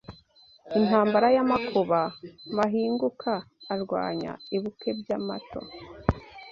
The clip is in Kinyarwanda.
Intambara y'amakuba Mahinguka arwanya i Bukebyamato